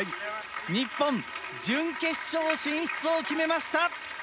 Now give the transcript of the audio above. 日本、準決勝進出を決めました。